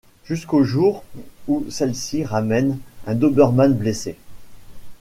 Jusqu'au jour où celle-ci ramène un doberman blessé.